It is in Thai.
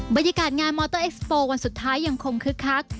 บรรยากาศงานมอเตอร์เอ็กซ์วันสุดท้ายยังคงคึกคัก